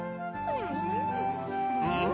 うん！